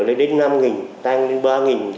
lên đến năm tăng lên ba